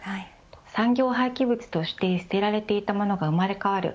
産業廃棄物として捨てられていたものが生まれ変わる